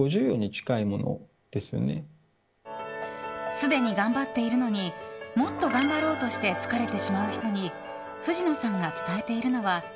すでに頑張っているのにもっと頑張ろうとして疲れてしまう人に藤野さんが伝えているのは